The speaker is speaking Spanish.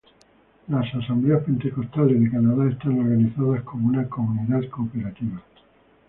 Las Asambleas Pentecostales de Canadá están organizadas como una "comunidad cooperativa".